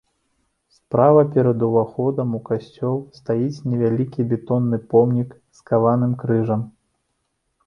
Справа перад уваходам у касцёл стаіць невялікі бетонны помнік з каваным крыжам.